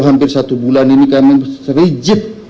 hampir satu bulan ini kami serigit